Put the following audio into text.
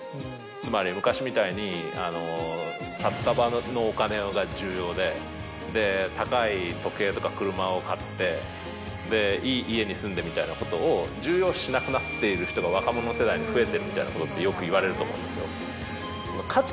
つまり昔みたいに札束のお金が重要で高い時計とか車を買っていい家に住んでみたいなことを重要視しなくなっている人が若者世代に増えてるみたいなことよく言われると思うんですよ。